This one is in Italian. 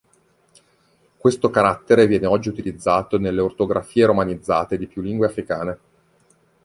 Questo carattere viene oggi utilizzato nelle ortografie romanizzate di più lingue africane.